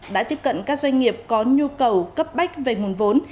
đã tiếp cận các doanh nghiệp có nhu cầu cấp bách về nguồn vốn